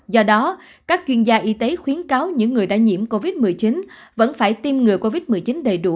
do đó các chuyên gia y tế khuyến cáo những người đã nhiễm covid một mươi chín vẫn phải tiêm ngừa covid một mươi chín đầy đủ